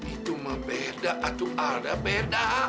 itu mah beda tuh alda beda